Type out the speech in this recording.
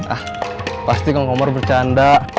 ah pasti kalau komar bercanda